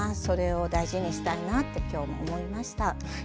それを大事にしたいなってきょう思いました。